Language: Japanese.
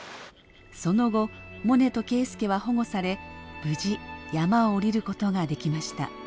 その後モネと圭輔は保護され無事山を下りることができました。